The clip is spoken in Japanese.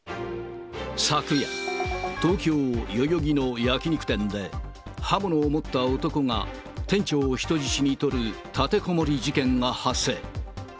昨夜、東京・代々木の焼き肉店で、刃物を持った男が店長を人質に取る立てこもり事件が発生。